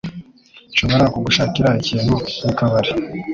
Nshobora kugushakira ikintu mukabari?